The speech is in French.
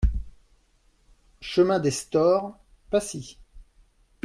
Chemin des Storts, Passy